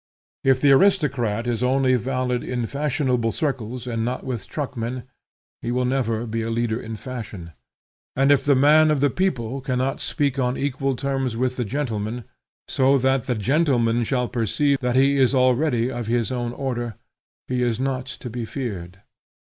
If the aristocrat is only valid in fashionable circles and not with truckmen, he will never be a leader in fashion; and if the man of the people cannot speak on equal terms with the gentleman, so that the gentleman shall perceive that he is already really of his own order, he is not to be feared.